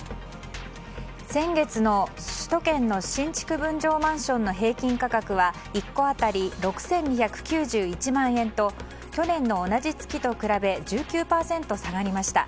先月の首都圏の新築分譲マンションの平均価格は１戸当たり６２９１万円と去年の同じ月と比べ１９％下がりました。